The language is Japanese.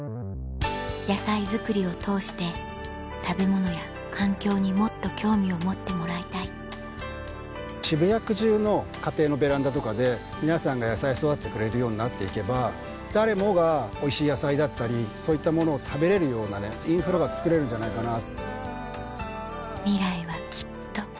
野菜作りを通して食べ物や環境にもっと興味を持ってもらいたい渋谷区中の家庭のベランダとかで皆さんが野菜育ててくれるようになって行けば誰もがおいしい野菜だったりそういったものを食べれるようなインフラが作れるんじゃないかな。